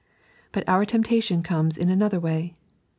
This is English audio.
But our temptation comes in another way.